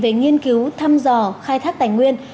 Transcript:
về nghiên cứu thăm dò khai thác tài nguyên